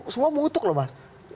semua mengutuk loh mas